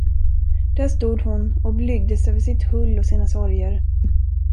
Där stod hon och blygdes över sitt hull och sina sorger.